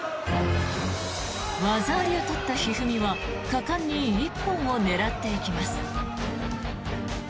技ありを取った一二三は果敢に一本を狙っていきます。